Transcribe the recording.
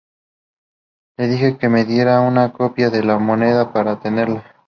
Le dije que me diera una copia de la moneda para tenerla.